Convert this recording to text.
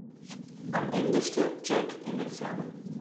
Am Ende stirbt Jack in den Flammen.